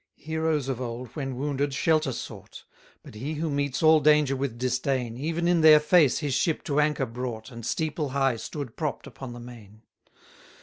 62 Heroes of old, when wounded, shelter sought; But he who meets all danger with disdain, Even in their face his ship to anchor brought, And steeple high stood propt upon the main.